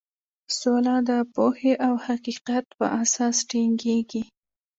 سوله د پوهې او حقیقت په اساس ټینګیږي.